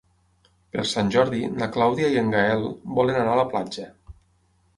Per Sant Jordi na Clàudia i en Gaël volen anar a la platja.